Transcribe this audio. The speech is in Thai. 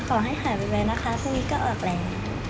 ขอให้หายไวไวนะคะพรุ่งนี้ก็ออกแล้ว